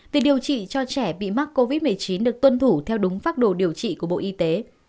việc điều trị cho trẻ bị mắc covid một mươi chín được tuân thủ theo đúng phác đồ điều trị của bộ y tế